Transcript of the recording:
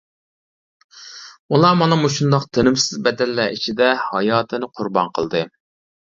ئۇلار مانا مۇشۇنداق تىنىمسىز بەدەللەر ئىچىدە ھاياتىنى قۇربان قىلدى.